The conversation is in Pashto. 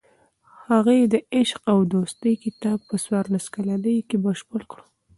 هغې د "عشق او دوستي" کتاب په څوارلس کلنۍ کې بشپړ کړ.